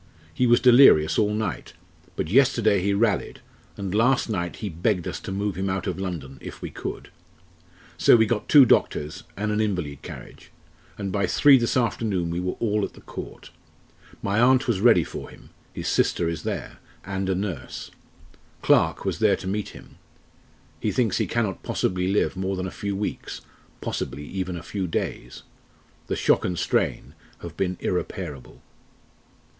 He was delirious all night; but yesterday he rallied, and last night he begged us to move him out of London if we could. So we got two doctors and an invalid carriage, and by three this afternoon we were all at the Court. My aunt was ready for him his sister is there and a nurse. Clarke was there to meet him. He thinks he cannot possibly live more than a few weeks possibly even a few days. The shock and strain have been irreparable."